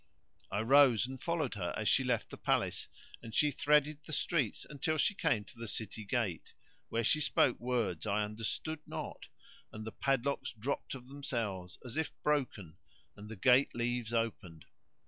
I rose and followed her as she left the palace and she threaded the streets until she came to the city gate, where she spoke words I understood not, and the padlocks dropped of themselves as if broken and the gate leaves opened.